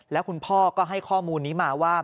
แล้วคุณพ่อก็ให้ข้อมูลนี้มาว่า